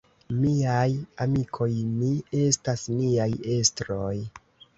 Miaj amikoj, ni estas niaj estroj.